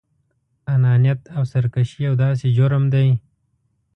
انانيت او سرکشي يو داسې جرم دی.